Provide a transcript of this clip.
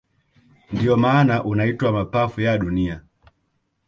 Ndio maana unaitwa mapafu ya dunia